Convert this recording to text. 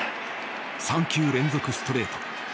３球連続ストレート。